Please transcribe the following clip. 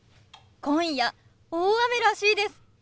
今夜大雨らしいです。